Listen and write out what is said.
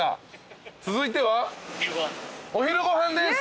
続いては？お昼ご飯です！